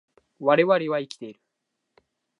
我々は生きている